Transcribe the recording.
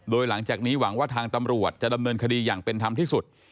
โดยหลังจากนี้หวังว่าทางตำรวจจะดำเนินคดีอย่างเป็นธรรมที่สุด